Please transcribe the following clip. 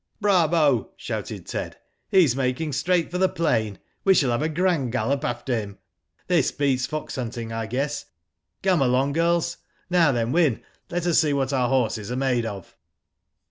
'* Bravo " shouted Ted, *' he's making straight for the plain, we shall have a grand gallop after him. This beats fox hunting, I guess. Come r.long girls. Now then, Wyn, let us see what our horses are made of."